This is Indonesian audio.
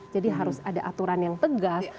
jadi harus ada aturan yang tegas